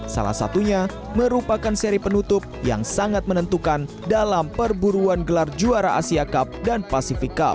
salah satunya merupakan seri penutup yang sangat menentukan dalam perburuan gelar juara asia cup dan pacific cup